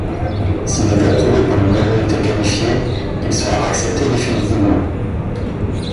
S'il est approuvé par une majorité qualifiée, il sera accepté définitivement.